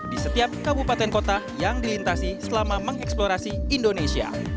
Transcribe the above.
di setiap kabupaten kota yang dilintasi selama mengeksplorasi indonesia